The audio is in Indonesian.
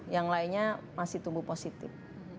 yang lainnya masih tumbuh positif